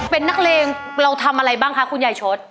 เป็นนักเลงเราทำอะไรบ้างคะคุณยายชด